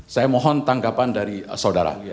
saya mohon tanggapan dari saudara